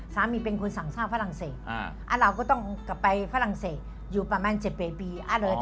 เป็นคนสั่งสร้างฝรั่งเศสเราก็ต้องกลับไปฝรั่งเศสอยู่ประมาณ๗ปี